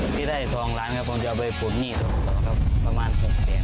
ที่ได้ทองร้านก็ผมจะเอาไปปุ่มนี่ตรงนอกกับประมาณ๖เซน